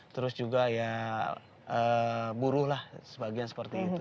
terus juga ya buruh lah sebagian seperti itu